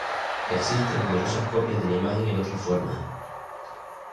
Existen numerosas copias de la imagen en otras formas.